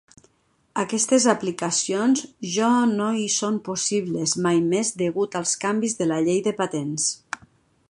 Aquestes aplicacions jo no hi són possibles mai més degut als canvis de la llei de patents.